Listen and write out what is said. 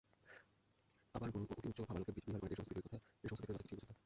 আমার গুরু অত্যুচ্চ ভাবলোকেই বিহার করেন, এ-সমস্ত পৃথিবীর কথা কিছুই বোঝেন না।